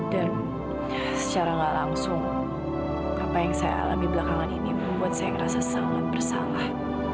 dan secara nggak langsung apa yang saya alami belakangan ini membuat saya ngerasa sangat bersalah